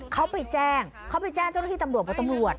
เขาไปแจ้งเขาไปแจ้งเจ้าหน้าที่ตำรวจบอกตำรวจ